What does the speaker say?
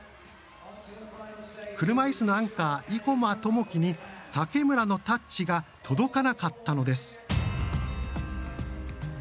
車いすのアンカー、生馬知季に竹村のタッチが届かなかったのです。